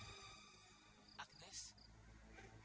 mau jadi kayak gini sih salah buat apa